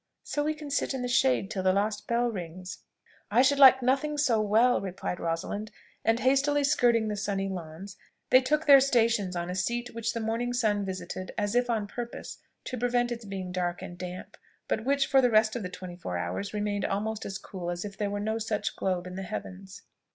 So we can sit in the shade till the last bell rings." "I should like nothing so well," replied Rosalind: and hastily skirting the sunny lawn, they took their stations on a seat which the morning sun visited as if on purpose to prevent its being dark and damp, but which for the rest of the twenty four hours remained almost as cool as if there were no such globe in the heavens.